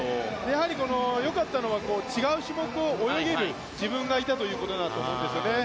やはりよかったのは違う種目を泳げる自分がいたということだと思うんですよね。